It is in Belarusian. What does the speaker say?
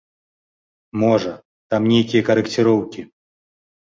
Можа, там нейкія карэкціроўкі.